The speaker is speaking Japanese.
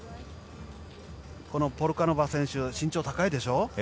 このポルカノバ＊手身長が高いでしょ。